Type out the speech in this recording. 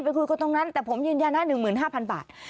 ไปคุยกันตรงนั้นแต่ผมยืนยันนะ๑๕๐๐บาท